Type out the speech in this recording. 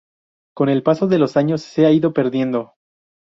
Con el paso de los años se ha ido perdiendo.